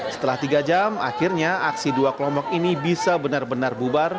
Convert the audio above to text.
setelah tiga jam akhirnya aksi dua kelompok ini bisa benar benar bubar